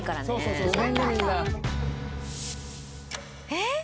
えっ？